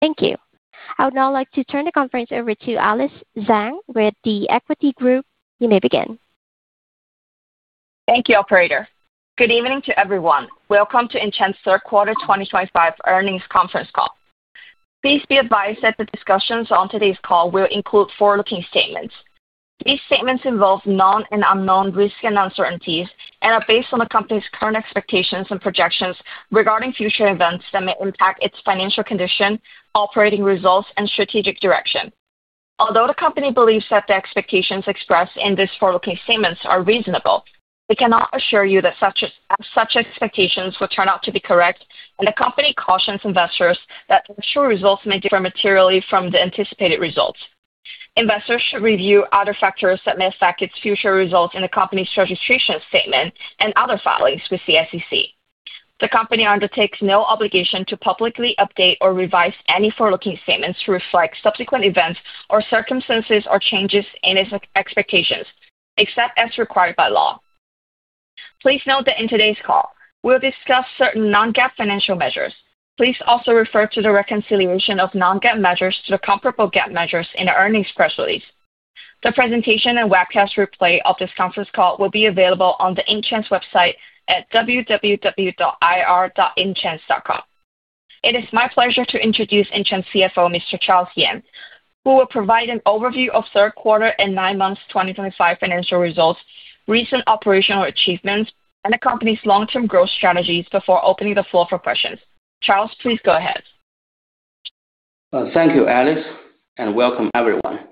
Thank you. I would now like to turn the conference over to Alice Zhang with the Equity Group. You may begin. Thank you, Operator. Good evening to everyone. Welcome to Intchains Group Limited third quarter 2025 earnings conference call. Please be advised that the discussions on today's call will include forward-looking statements. These statements involve known and unknown risks and uncertainties and are based on the company's current expectations and projections regarding future events that may impact its financial condition, operating results, and strategic direction. Although the company believes that the expectations expressed in these forward-looking statements are reasonable, it cannot assure you that such expectations will turn out to be correct, and the company cautions investors that actual results may differ materially from the anticipated results. Investors should review other factors that may affect its future results in the company's registration statement and other filings with the SEC. The company undertakes no obligation to publicly update or revise any forward-looking statements to reflect subsequent events or circumstances or changes in its expectations, except as required by law. Please note that in today's call, we will discuss certain Non-GAAP financial measures. Please also refer to the reconciliation of Non-GAAP measures to the comparable GAAP measures in the earnings press release. The presentation and webcast replay of this conference call will be available on the Intchains website at www.ir.intchains.com. It is my pleasure to introduce Intchains Chief Financial Officer, Mr. Charles Yan, who will provide an overview of third quarter and nine months' 2025 financial results, recent operational achievements, and the company's long-term growth strategies before opening the floor for questions. Charles, please go ahead. Thank you, Alice, and welcome everyone.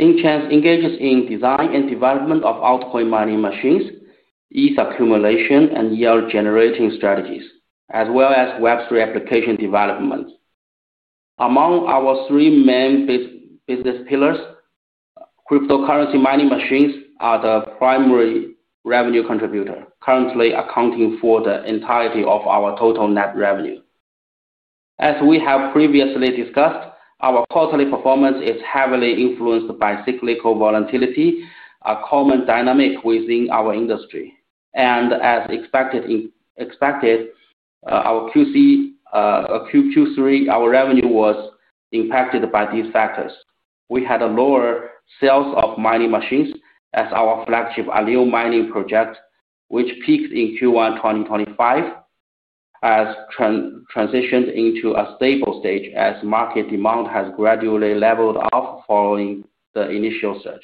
Intchains engages in the design and development of altcoin mining machines, ETH accumulation, and yield-generating strategies, as well as Web3 application development. Among our three main business pillars, cryptocurrency mining machines are the primary revenue contributor, currently accounting for the entirety of our total net revenue. As we have previously discussed, our quarterly performance is heavily influenced by cyclical volatility, a common dynamic within our industry. Our Q3 revenue was impacted by these factors. We had lower sales of mining machines as our flagship Aleo Miner series project, which peaked in Q1 2025, has transitioned into a stable stage as market demand has gradually leveled off following the initial surge.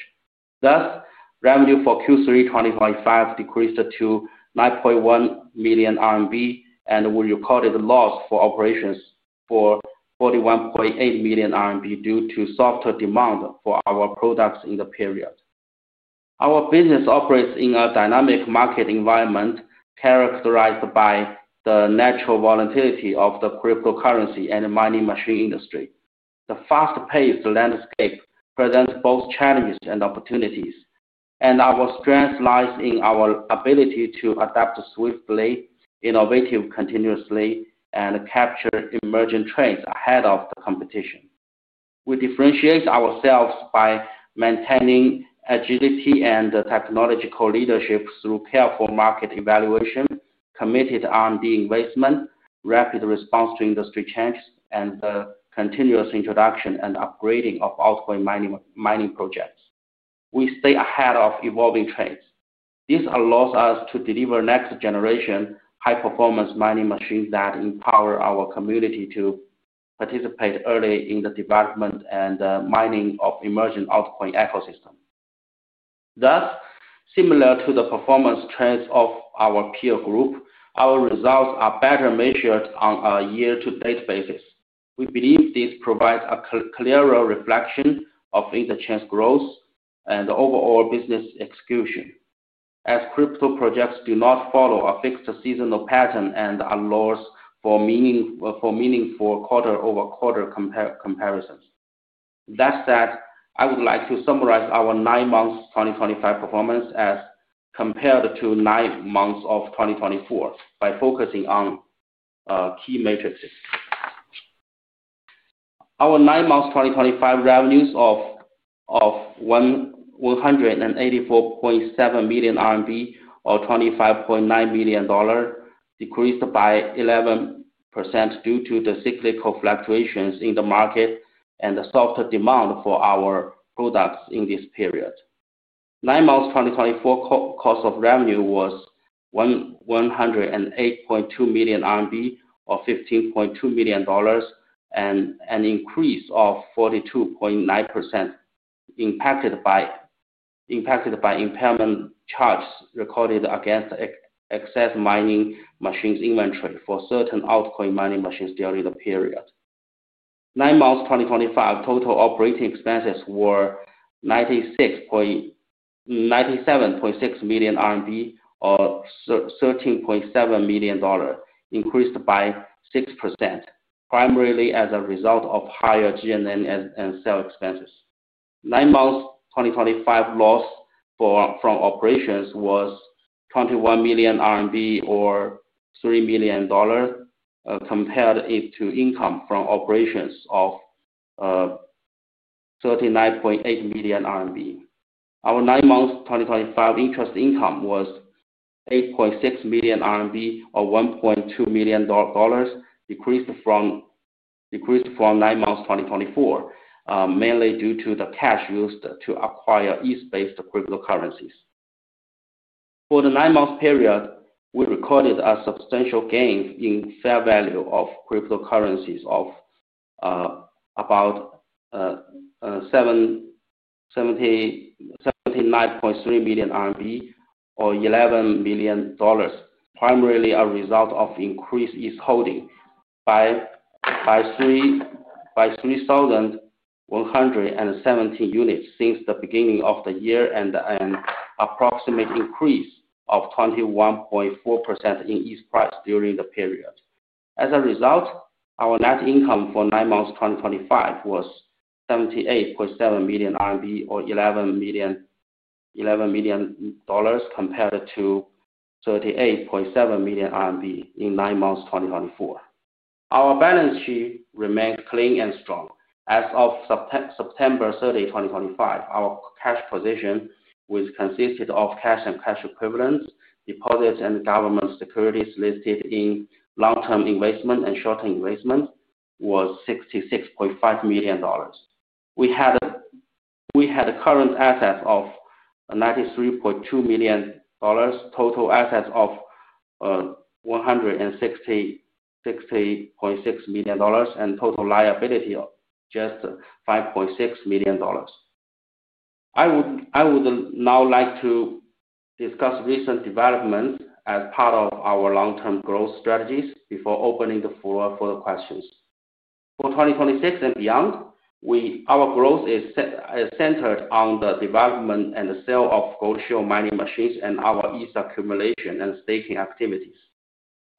Thus, revenue for Q3 2025 decreased to 9.1 million RMB, and we recorded a loss for operations of 41.8 million RMB due to softer demand for our products in the period. Our business operates in a dynamic market environment characterized by the natural volatility of the cryptocurrency and mining machine industry. The fast-paced landscape presents both challenges and opportunities, and our strength lies in our ability to adapt swiftly, innovate continuously, and capture emerging trends ahead of the competition. We differentiate ourselves by maintaining agility and technological leadership through careful market evaluation, committed R&D investment, rapid response to industry changes, and the continuous introduction and upgrading of altcoin mining projects. We stay ahead of evolving trends. This allows us to deliver next-generation high-performance mining machines that empower our community to participate early in the development and mining of emerging altcoin ecosystems. Thus, similar to the performance trends of our peer group, our results are better measured on a year-to-date basis. We believe this provides a clearer reflection of Intchains' growth and overall business execution, as crypto projects do not follow a fixed seasonal pattern and allows for meaningful quarter-over-quarter comparisons. That said, I would like to summarize our nine months 2025 performance as compared to nine months of 2024 by focusing on key metrics. Our nine months 2025 revenues of 184.7 million RMB, or $25.9 million, decreased by 11% due to the cyclical fluctuations in the market and the softer demand for our products in this period. Nine months 2024 cost of revenue was 108.2 million RMB, or $15.2 million, and an increase of 42.9% impacted by impairment charges recorded against excess mining machines inventory for certain altcoin mining machines during the period. Nine months 2025 total operating expenses were 97.6 million RMB, or $13.7 million, increased by 6%, primarily as a result of higher GNN and sale expenses. Nine months' 2025 loss from operations was 21 million RMB, or $3 million, compared to income from operations of 39.8 million RMB. Our nine months' 2025 interest income was 8.6 million RMB, or $1.2 million, decreased from nine months' 2024, mainly due to the cash used to acquire ETH-based cryptocurrencies. For the nine months' period, we recorded a substantial gain in fair value of cryptocurrencies of about 79.3 million RMB, or $11 million, primarily a result of increased ETH holding by 3,117 units since the beginning of the year and an approximate increase of 21.4% in ETH price during the period. As a result, our net income for nine months' 2025 was 78.7 million RMB, or $11 million, compared to 38.7 million RMB in nine months' 2024. Our balance sheet remained clean and strong. As of September 30, 2025, our cash position, which consisted of cash and cash equivalents, deposits, and government securities listed in long-term investment and short-term investment, was $66.5 million. We had current assets of $93.2 million, total assets of $160.6 million, and total liability of just $5.6 million. I would now like to discuss recent developments as part of our long-term growth strategies before opening the floor for the questions. For 2026 and beyond, our growth is centered on the development and sale of Gold Shield mining machines and our ETH accumulation and staking activities.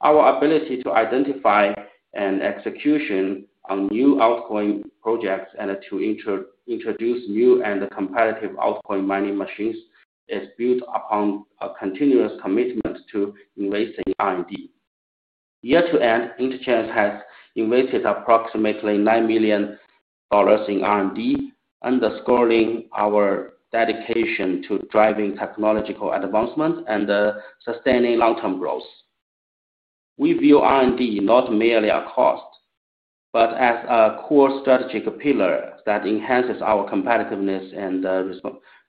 Our ability to identify and execute new altcoin projects and to introduce new and competitive altcoin mining machines is built upon a continuous commitment to investing R&D. Year to end, Intchains has invested approximately $9 million in R&D, underscoring our dedication to driving technological advancement and sustaining long-term growth. We view R&D not merely as a cost, but as a core strategic pillar that enhances our competitiveness and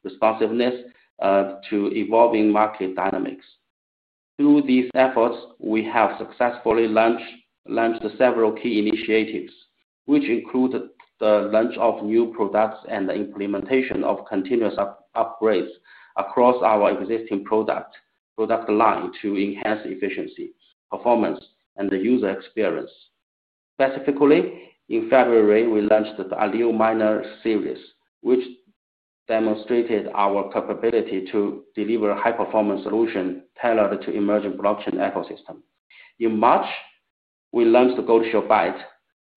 responsiveness to evolving market dynamics. Through these efforts, we have successfully launched several key initiatives, which include the launch of new products and the implementation of continuous upgrades across our existing product line to enhance efficiency, performance, and the user experience. Specifically, in February, we launched the Aleo Miner series, which demonstrated our capability to deliver high-performance solutions tailored to the emerging blockchain ecosystem. In March, we launched the Gold Shield Byte,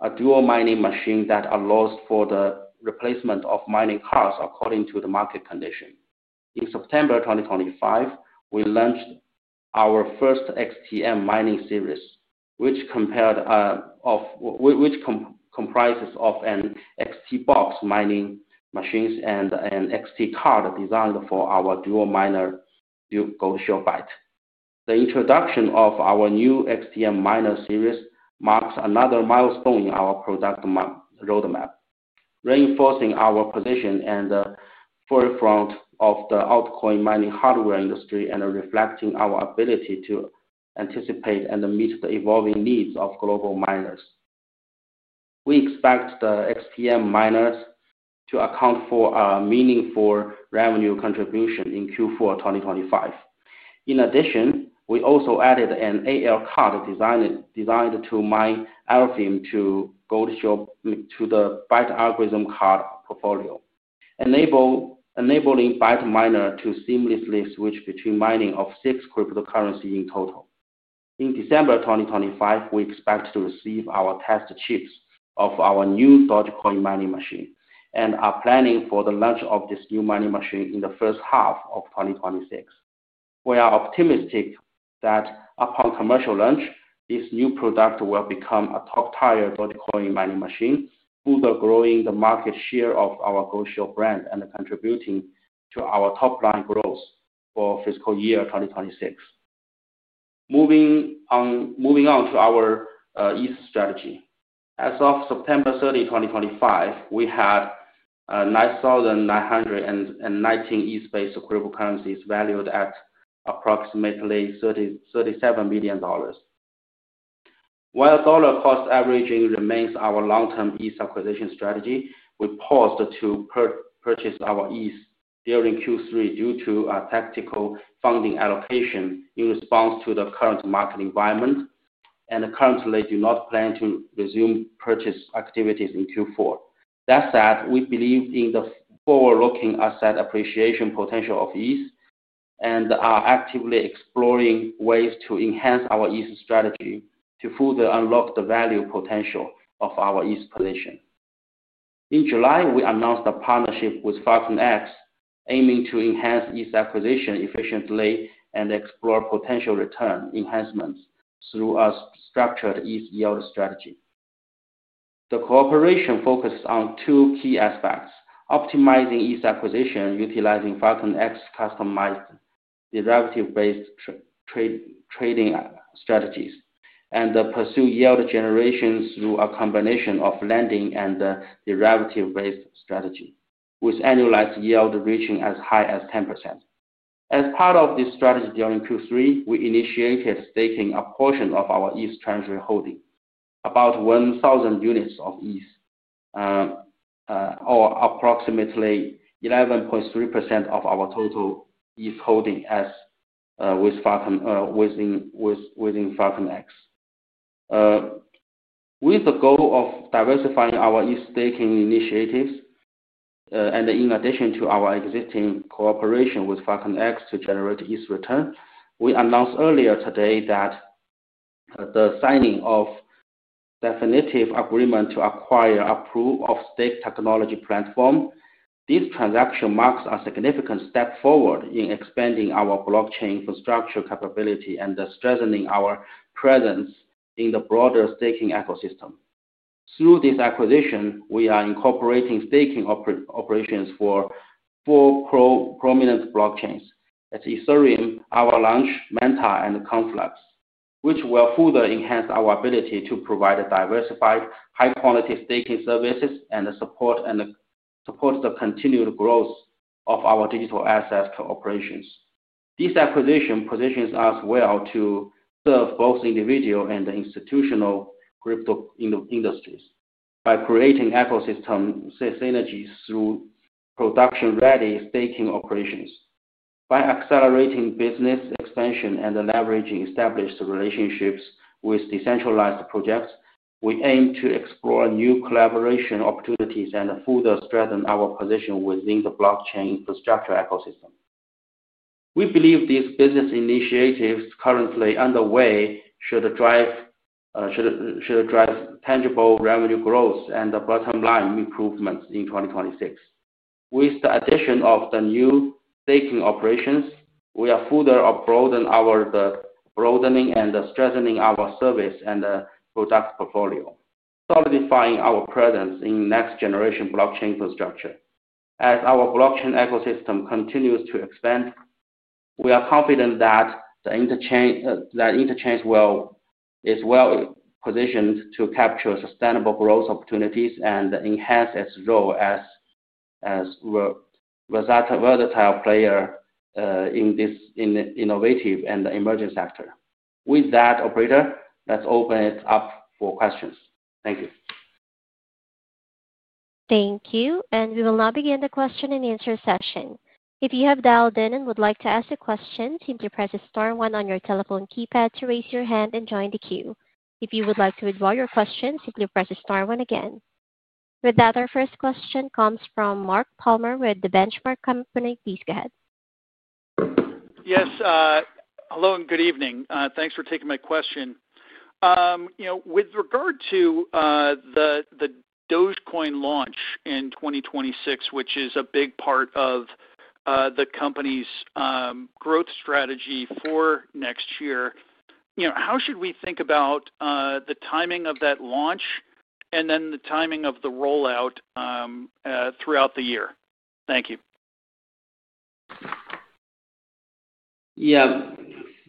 a dual mining machine that allows for the replacement of mining cards according to the market condition. In September 2025, we launched our first XTM mining series, which comprises an XT box mining machine and an XT card designed for our dual miner Gold Shield Byte. The introduction of our new XTM miner series marks another milestone in our product roadmap, reinforcing our position at the forefront of the altcoin mining hardware industry and reflecting our ability to anticipate and meet the evolving needs of global miners. We expect the XTM miners to account for a meaningful revenue contribution in Q4 2025. In addition, we also added an AL card designed to mine Alpha to the Byte Algorithm Card portfolio, enabling Byte miners to seamlessly switch between mining of six cryptocurrencies in total. In December 2025, we expect to receive our test chips of our new Dogecoin mining machine and are planning for the launch of this new mining machine in the first half of 2026. We are optimistic that upon commercial launch, this new product will become a top-tier Dogecoin mining machine, further growing the market share of our Gold Shield brand and contributing to our top-line growth for fiscal year 2026. Moving on to our ETH strategy. As of September 30, 2025, we had 9,919 ETH-based cryptocurrencies valued at approximately $37 million. While dollar-cost averaging remains our long-term ETH acquisition strategy, we paused to purchase our ETH during Q3 due to a tactical funding allocation in response to the current market environment, and currently, we do not plan to resume purchase activities in Q4. That said, we believe in the forward-looking asset appreciation potential of ETH and are actively exploring ways to enhance our ETH strategy to further unlock the value potential of our ETH position. In July, we announced a partnership with FalconX, aiming to enhance ETH acquisition efficiently and explore potential return enhancements through a structured ETH yield strategy. The cooperation focuses on two key aspects: optimizing ETH acquisition utilizing FalconX's customized derivative-based trading strategies and pursuing yield generation through a combination of lending and derivative-based strategies, with annualized yield reaching as high as 10%. As part of this strategy during Q3, we initiated staking a portion of our ETH treasury holding, about 1,000 units of ETH, or approximately 11.3% of our total ETH holding with FalconX, with the goal of diversifying our ETH staking initiatives. In addition to our existing cooperation with FalconX to generate ETH return, we announced earlier today the signing of a definitive agreement to acquire a proof-of-stake technology platform. This transaction marks a significant step forward in expanding our blockchain infrastructure capability and strengthening our presence in the broader staking ecosystem. Through this acquisition, we are incorporating staking operations for four prominent blockchains. It's Ethereum, Avalanche, Manta, and Conflux, which will further enhance our ability to provide diversified, high-quality staking services and support the continued growth of our digital asset operations. This acquisition positions us well to serve both individual and institutional crypto industries by creating ecosystem synergies through production-ready staking operations. By accelerating business expansion and leveraging established relationships with decentralized projects, we aim to explore new collaboration opportunities and further strengthen our position within the blockchain infrastructure ecosystem. We believe these business initiatives currently underway should drive tangible revenue growth and bottom-line improvements in 2026. With the addition of the new staking operations, we are further broadening and strengthening our service and product portfolio, solidifying our presence in next-generation blockchain infrastructure. As our blockchain ecosystem continues to expand, we are confident that Intchains is well-positioned to capture sustainable growth opportunities and enhance its role as a versatile player in this innovative and emerging sector. With that, operator, let's open it up for questions. Thank you. Thank you. We will now begin the question-and-answer session. If you have dialed in and would like to ask a question, simply press the star one on your telephone keypad to raise your hand and join the queue. If you would like to withdraw your question, simply press the star one again. With that, our first question comes from Mark Palmer with The Benchmark Company. Please go ahead. Yes. Hello and good evening. Thanks for taking my question. With regard to the Dogecoin launch in 2026, which is a big part of the company's growth strategy for next year, how should we think about the timing of that launch and then the timing of the rollout throughout the year? Thank you. Yeah.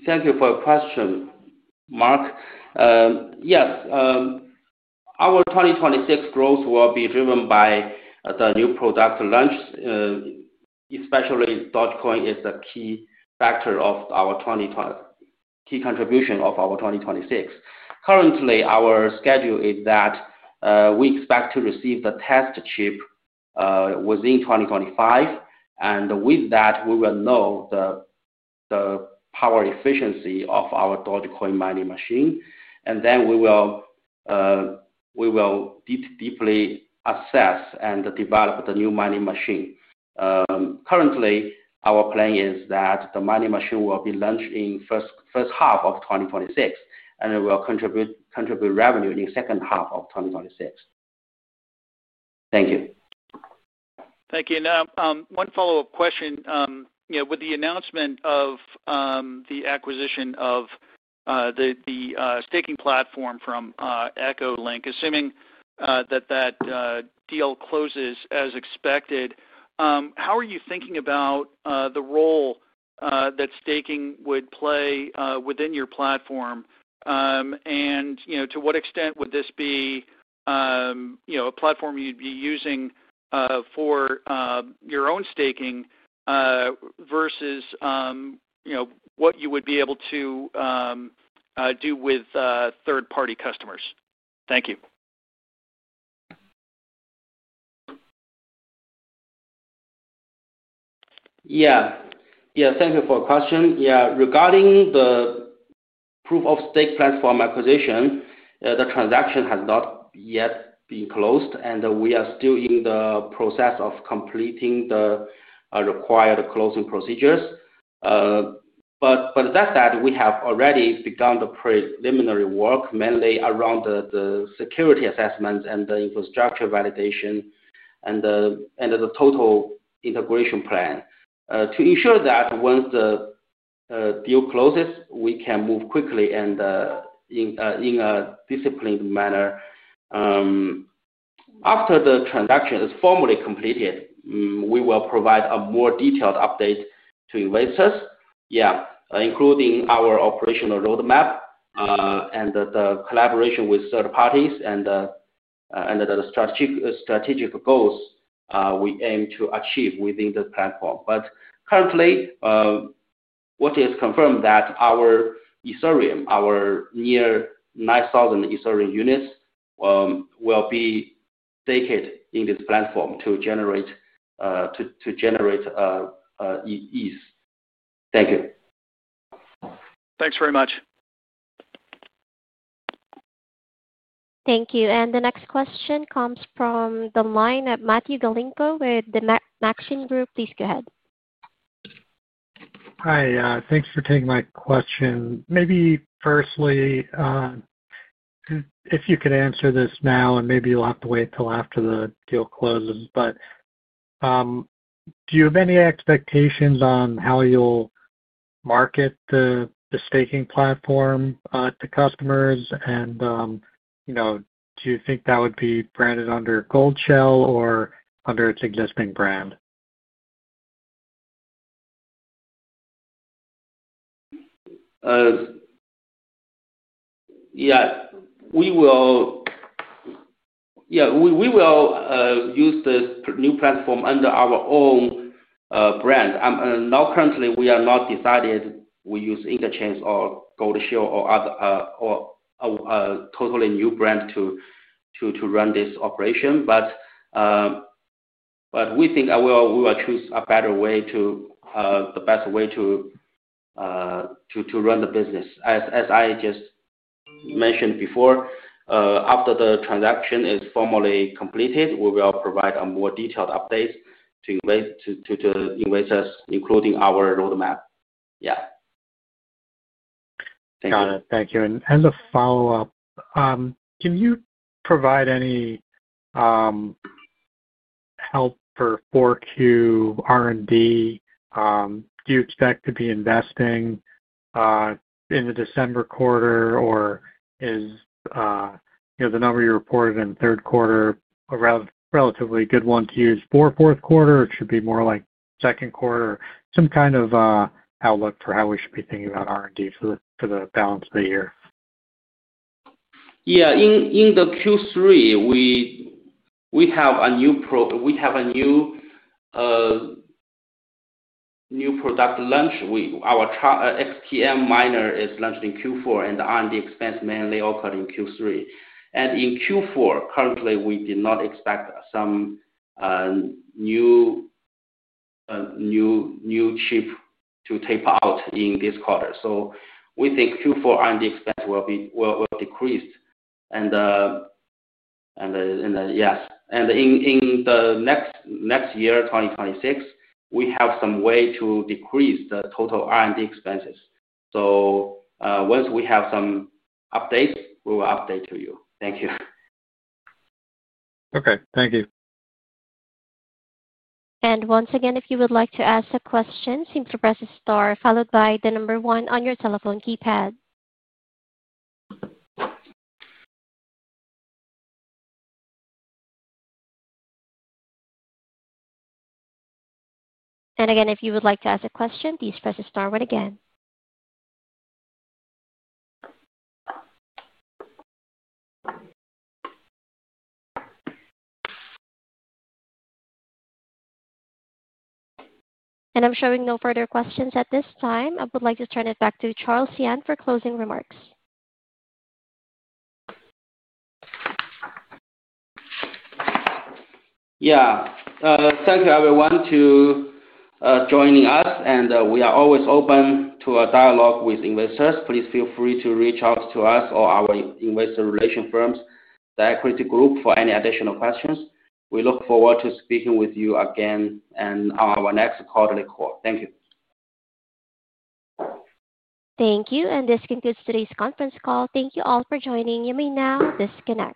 Thank you for the question, Mark. Yes. Our 2026 growth will be driven by the new product launch, especially Dogecoin is a key factor of our key contribution of our 2026. Currently, our schedule is that we expect to receive the test chip within 2025. With that, we will know the power efficiency of our Dogecoin mining machine. Then we will deeply assess and develop the new mining machine. Currently, our plan is that the mining machine will be launched in the first half of 2026, and it will contribute revenue in the second half of 2026. Thank you. Thank you. Now, one follow-up question. With the announcement of the acquisition of the staking platform from EchoLink, assuming that that deal closes as expected, how are you thinking about the role that staking would play within your platform? And to what extent would this be a platform you'd be using for your own staking versus what you would be able to do with third-party customers? Thank you. Yeah. Thank you for the question. Yeah. Regarding the proof-of-stake platform acquisition, the transaction has not yet been closed, and we are still in the process of completing the required closing procedures. That said, we have already begun the preliminary work, mainly around the security assessments and the infrastructure validation and the total integration plan, to ensure that once the deal closes, we can move quickly and in a disciplined manner. After the transaction is formally completed, we will provide a more detailed update to investors, yeah, including our operational roadmap and the collaboration with third parties and the strategic goals we aim to achieve within the platform. Currently, what is confirmed is that our Ethereum, our near 9,000 Ethereum units, will be staked in this platform to generate ETH. Thank you. Thanks very much. Thank you. The next question comes from the line of Matthew Galinko with the Maxim Group. Please go ahead. Hi. Thanks for taking my question. Maybe firstly, if you could answer this now, and maybe you'll have to wait until after the deal closes. Do you have any expectations on how you'll market the staking platform to customers? Do you think that would be branded under Goldshell or under its existing brand? Yeah. Yeah. We will use this new platform under our own brand. Now, currently, we have not decided if we use Intchains or Gold Shield or a totally new brand to run this operation. We think we will choose a better way, the best way to run the business. As I just mentioned before, after the transaction is formally completed, we will provide a more detailed update to investors, including our roadmap. Yeah. Thank you. Got it. Thank you. As a follow-up, can you provide any help for QR&D? Do you expect to be investing in the December quarter, or is the number you reported in the third quarter a relatively good one to use for fourth quarter, or should it be more like second quarter? Some kind of outlook for how we should be thinking about R&D for the balance of the year? Yeah. In the Q3, we have a new product launch. Our XTM miner is launched in Q4, and R&D expense mainly occurred in Q3. In Q4, currently, we did not expect some new chip to taper out in this quarter. We think Q4 R&D expense will decrease. Yes. In the next year, 2026, we have some way to decrease the total R&D expenses. Once we have some updates, we will update you. Thank you. Okay. Thank you. Once again, if you would like to ask a question, simply press the star followed by the number one on your telephone keypad. Again, if you would like to ask a question, please press the star one again. I'm showing no further questions at this time. I would like to turn it back to Charles Yan for closing remarks. Yeah. Thank you, everyone, to joining us. We are always open to a dialogue with investors. Please feel free to reach out to us or our investor relations firm, the Equity Group, for any additional questions. We look forward to speaking with you again on our next quarterly call. Thank you. Thank you. This concludes today's conference call. Thank you all for joining. You may now disconnect.